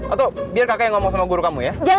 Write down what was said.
atau biar kakek yang ngomong sama guru kamu ya